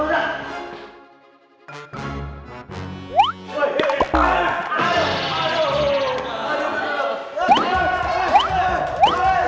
sisi masuk ke sana cepat